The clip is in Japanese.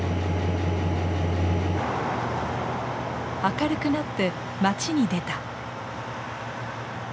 明るくなって町に出た。